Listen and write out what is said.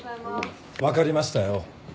分かりましたよ